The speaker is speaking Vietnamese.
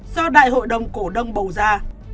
do đại hội đồng cổ đông bầu ra